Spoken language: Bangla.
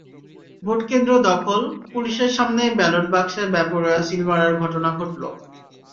ভোটকেন্দ্র দখল, পুলিশের সামনেই ব্যালট বাক্সে বেপরোয়া সিল মারার ঘটনা ঘটল।